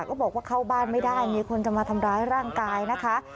ก็บอกว่าเข้าบ้านไม่ได้มีคนจะมาทำร้ายร่างกายนะคะ